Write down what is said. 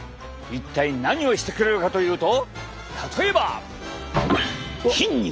一体何をしてくれるかというと例えば。筋肉！